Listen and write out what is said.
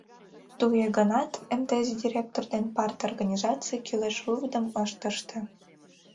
Туге гынат МТС директор ден парторганизаций кӱлеш выводым ышт ыште.